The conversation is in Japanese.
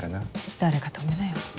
誰か止めなよ。